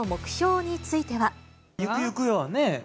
ゆくゆくはね。